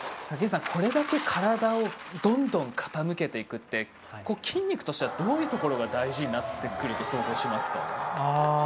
武井さん、これだけ体をどんどん傾けていくって筋肉としてはどういうところが大事になってくると想像しますか。